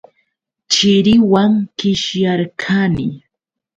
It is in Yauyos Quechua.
Chiriwan qishyarqani.